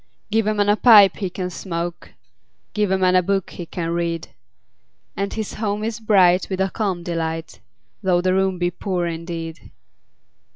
Give a man a pipe he can smoke, 5 Give a man a book he can read: And his home is bright with a calm delight, Though the room be poor indeed.